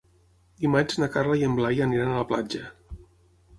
Dimarts na Carla i en Blai aniran a la platja.